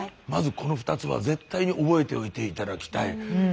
まずこの２つは絶対に覚えておいて頂きたい。